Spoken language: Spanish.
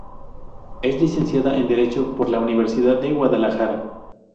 Es Licenciada en Derecho por la Universidad de Guadalajara.